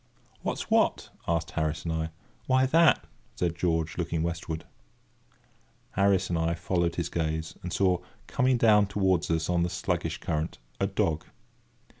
"What's what?" asked Harris and I. "Why that!" said George, looking westward. [Picture: The dog] Harris and I followed his gaze, and saw, coming down towards us on the sluggish current, a dog.